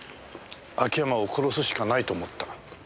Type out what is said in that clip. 秋山を殺すしかないと思った。